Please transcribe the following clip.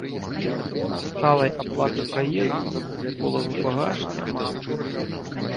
Сталай аплаты праезду за двухколавы багаж няма.